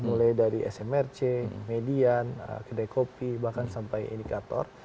mulai dari smrc median kedai kopi bahkan sampai indikator